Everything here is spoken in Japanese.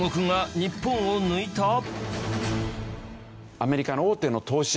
アメリカの大手の投資